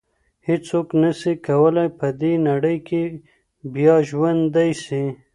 هیڅوک نسي کولای په دې نړۍ کي بیا ژوندی سي.